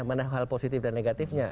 mana hal positif dan negatifnya